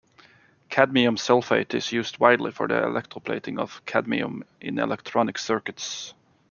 Cadmium sulfate is used widely for the electroplating of cadmium in electronic circuits.